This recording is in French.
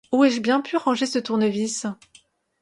Où ai-je bien pu ranger ce tournevis ?